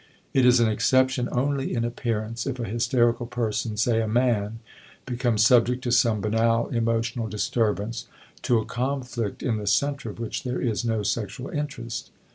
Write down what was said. It is an exception only in appearance if a hysterical person, say a man, becomes subject to some banal emotional disturbance, to a conflict in the center of which there is no sexual interest.